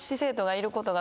いることが。